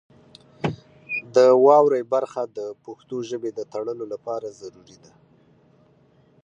د واورئ برخه د پښتو ژبې د تړلو لپاره ضروري ده.